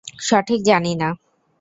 সঠিক জানি না।